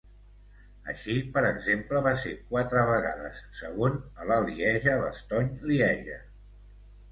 Així, per exemple, va ser quatre vegades segon a la Lieja-Bastogne-Lieja.